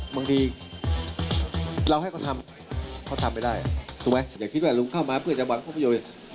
บางทีเราให้เขาทำเขาทำไม่ได้ถูกไหมอย่าคิดว่าลุงเข้ามาเพื่อจะหวังผลประโยชน์